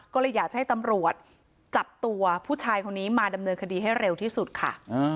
ก็เลยอยากจะให้ตำรวจจับตัวผู้ชายคนนี้มาดำเนินคดีให้เร็วที่สุดค่ะ